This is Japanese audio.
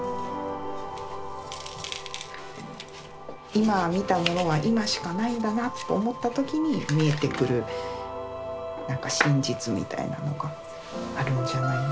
「今見たものは今しかないんだな」と思った時に見えてくるなんか真実みたいなのがあるんじゃないのかなと思っています。